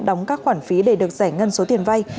đóng các khoản phí để được giải ngân số tiền vay